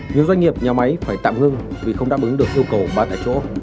nhiều doanh nghiệp nhà máy phải tạm ngưng vì không đáp ứng được yêu cầu ba tại chỗ